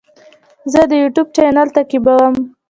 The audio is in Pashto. زه د یوټیوب چینل تعقیبوم.